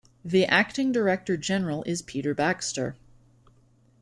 The Acting Director General is Peter Baxter.